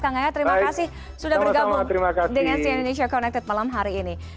kang ayat terima kasih sudah bergabung dengan cn indonesia connected malam hari ini